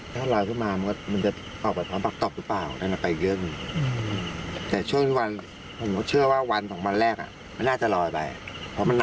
ถ้าลอยขึ้นมามันจะกลอกไปขวามปากตกหรือเปล่าเราน่าไปยื่น